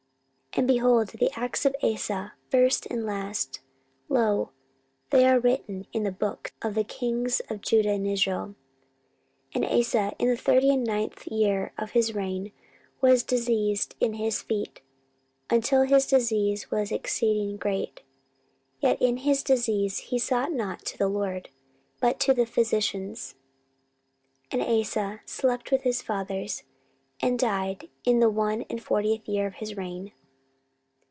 14:016:011 And, behold, the acts of Asa, first and last, lo, they are written in the book of the kings of Judah and Israel. 14:016:012 And Asa in the thirty and ninth year of his reign was diseased in his feet, until his disease was exceeding great: yet in his disease he sought not to the LORD, but to the physicians. 14:016:013 And Asa slept with his fathers, and died in the one and fortieth year of his reign.